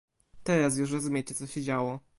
"Teraz już rozumiecie, co się działo."